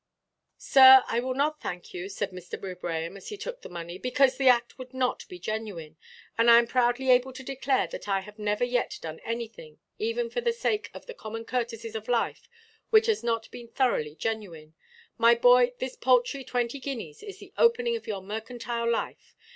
"Sir, I will not thank you," said Mr. Wibraham, as he took the money, "because the act would not be genuine. And I am proudly able to declare that I have never yet done anything, even for the sake of the common courtesies of life, which has not been thoroughly genuine. My boy, this paltry twenty guineas is the opening of your mercantile life.